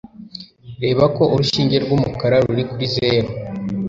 reba ko urushinge rw'umukara ruri kuri zero